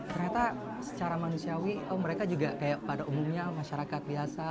ternyata secara manusiawi mereka juga pada umumnya masyarakat biasa